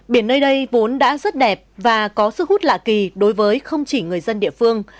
biển nơi đây vốn đã rất đẹp và có sức hút lạ kỳ đối với không chỉ người dân địa phương